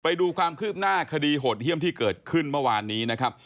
ไปดูความคืบหน้าคดีโหดเยี่ยมที่เกิดขึ้นเมื่อวานนี้นะครับ